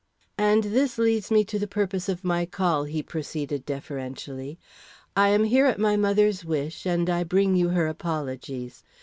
"And this leads me to the purpose of my call," he proceeded, deferentially. "I am here at my mothers wish, and I bring you her apologies.